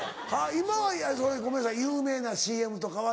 今はそれごめんなさい有名なＣＭとかは？